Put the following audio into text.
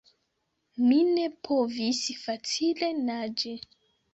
Mi ne povis facile naĝi.